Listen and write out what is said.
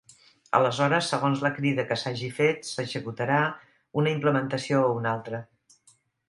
Aleshores segons la crida que s'hagi fet s'executarà una implementació o una altra.